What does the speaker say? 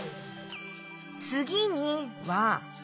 「つぎに」は。